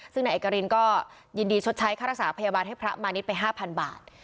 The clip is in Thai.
ซึ่งนายเอกรินก็ยินดีชดใช้ค่ารักษาพยาบาลให้พระมาณิชย์ไป๕๐๐บาท